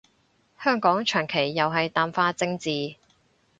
香港長期又係淡化政治